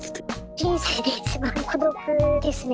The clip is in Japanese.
人生で一番孤独ですね。